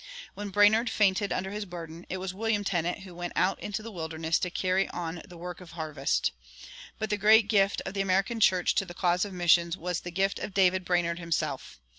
When Brainerd fainted under his burden, it was William Tennent who went out into the wilderness to carry on the work of harvest. But the great gift of the American church to the cause of missions was the gift of David Brainerd himself.